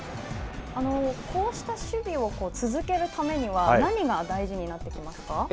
こうした守備を続けるためには、何が大事になってきますか。